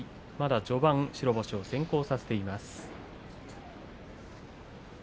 序盤、白星を先行させています。